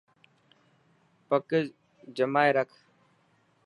پگ جمائي رک.